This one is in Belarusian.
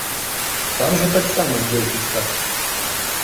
Там жа таксама дзеўкі скачуць!